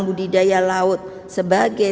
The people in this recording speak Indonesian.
budidaya laut sebagai